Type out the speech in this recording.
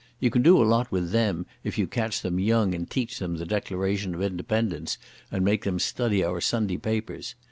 You can do a lot with them if you catch them young and teach them the Declaration of Independence and make them study our Sunday papers.